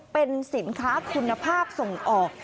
เป็นสินค้าคุณภาพส่งออก